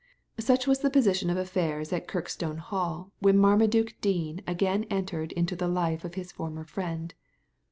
Such was the position of affairs at Kirkstone Hall when Marma duke Dean again entered into the life of his former friend.